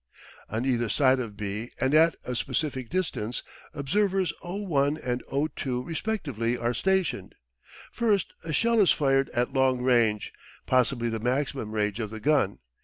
On either side of B and at a specified distance, observers O1 and O2 respectively are stationed. First a shell is fired at "long" range, possibly the maximum range of the gun.